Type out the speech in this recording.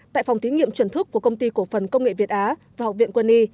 tại phòng thí nghiệm chuẩn thức của công ty cổ phần công nghệ việt á và học viện quân y